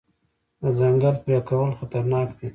د ځنګل پرې کول خطرناک دي.